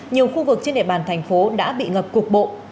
nhiều khu vực trên địa bàn thành phố đã bị ngập cục bộ